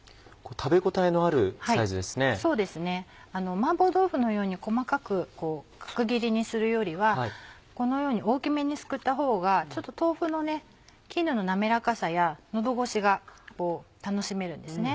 麻婆豆腐のように細かく角切りにするよりはこのように大きめにすくったほうが豆腐の絹の滑らかさや喉越しが楽しめるんですね。